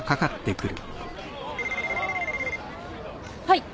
はい。